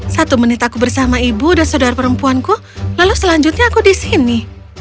satu menit aku bersama ibu dan saudara perempuanku lalu selanjutnya aku di sini